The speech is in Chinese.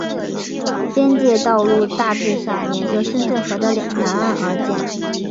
边界道路大致上沿着深圳河的南岸而建。